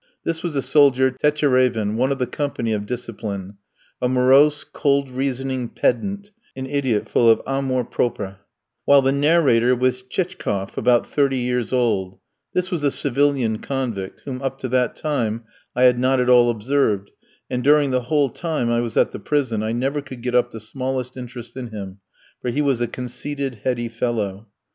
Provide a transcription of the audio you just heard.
This was the soldier Techérévin, one of the company of discipline; a morose, cold reasoning pedant, an idiot full of amour propre; while the narrator was Chichkof, about thirty years old; this was a civilian convict, whom up to that time I had not at all observed; and during the whole time I was at the prison I never could get up the smallest interest in him, for he was a conceited, heady fellow.